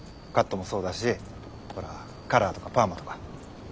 カットもそうだしほらカラーとかパーマとか。